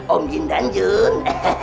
om jin dan jun